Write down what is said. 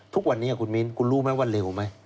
ทุกวันนี้คุณมิ้นคุณรู้ไหมว่าเร็วไหม